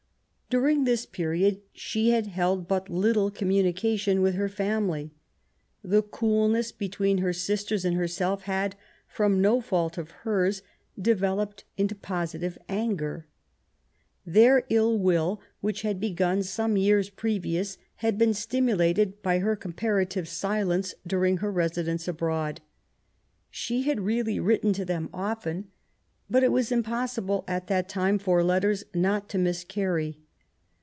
During this period she had held bat little commoni cation with her family. The coolness between her sis ters and herself had^ from no fault of hers, developed into positive auger. Their ill will, which had begun some years previous^ had been stimulated by her com parative silence during her residence abroad. She had really written to them often, but it was impossible at that time for letters not to miscarry.